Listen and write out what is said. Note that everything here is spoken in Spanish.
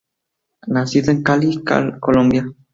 Nacido en Cali, Colombia.